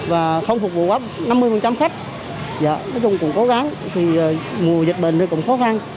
và không phục vụ năm mươi khách nói chung cũng cố gắng thì mùa dịch bệnh thì cũng khó khăn